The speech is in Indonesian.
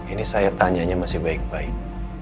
ini saya tanyanya masih baik baik